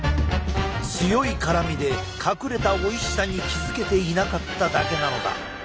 強い辛みで隠れたおいしさに気付けていなかっただけなのだ。